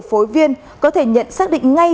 phối viên có thể nhận xác định ngay